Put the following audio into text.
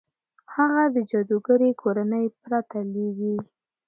هغه د جادوګرې کورنۍ پرته لوېږي.